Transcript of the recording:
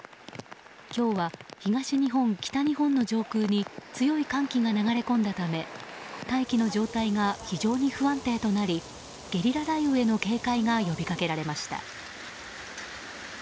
今日は東日本、北日本の上空に強い寒気が流れ込んだため大気の状態が非常に不安定となりゲリラ雷雨への警戒が呼びかけられました。